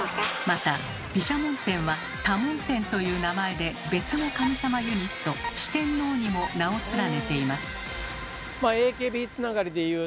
また毘沙門天は「多聞天」という名前で別の神様ユニット「四天王」にも名を連ねています。